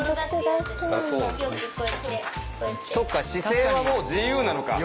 そっか姿勢はもう自由なのか。